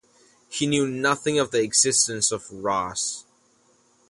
He knew nothing of the existence of Ross.